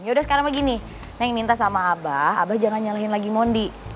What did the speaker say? yaudah sekarang begini neng minta sama abah abah jangan nyalahin lagi mondi